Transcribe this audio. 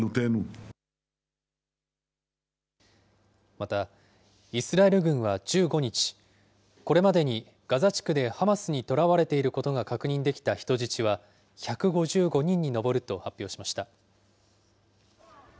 また、イスラエル軍は１５日、これまでにガザ地区でハマスに捕らわれていることが確認できた人質は、１５５人に上ると発表しました。